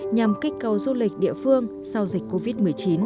nhằm kích cầu du lịch địa phương sau dịch covid một mươi chín